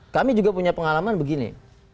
kami juga punya pengalaman begini